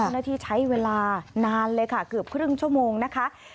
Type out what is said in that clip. ใช้เวลานานเลยค่ะเกือบครึ่งชั่วโมงนะคะ